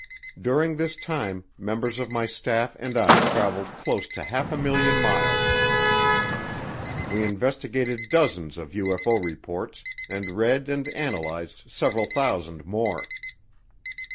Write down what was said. During this time members of my staff and I traveled close to half a million miles. We investigated dozens of UFO reports, and read and analyzed several thousand more.